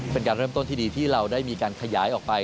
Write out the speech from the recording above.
เป็นการเริ่มต้นที่ดีที่เราได้มีการขยายออกไป